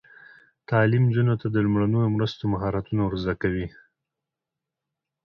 تعلیم نجونو ته د لومړنیو مرستو مهارتونه ور زده کوي.